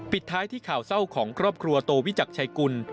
ปิดท้ายที่ข่าวเศร้าของครอบครัวโตวิจักรชัยกุล